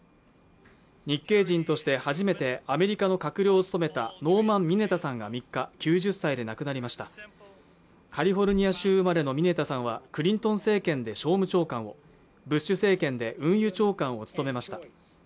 日系人として初めてアメリカの閣僚務めたノーマン・ミネタさんが３日９０歳で亡くなりましたカリフォルニア州生まれのミネタさんはクリントン政権で商務長官をブッシュ政権で運輸長官を務めました